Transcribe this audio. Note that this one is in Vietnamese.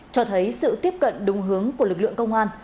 cho thấy sự tiếp cận đúng hướng của lực lượng công an